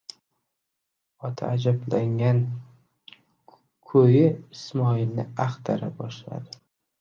Ota ajablangan ko'yi Ismoilni axtara boshladi.